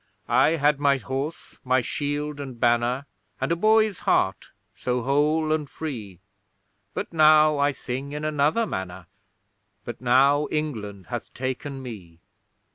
I had my horse, my shield and banner, And a boy's heart, so whole and free; But now I sing in another manner But now England hath taken me!